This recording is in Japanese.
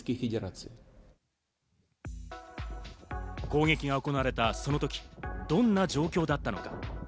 攻撃が行われたその時、どんな状況だったのか？